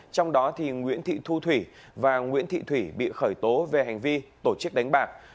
trong đó nguyễn thị thu thủy và nguyễn thị thủy bị khởi tố về hành vi tổ chức đánh bạc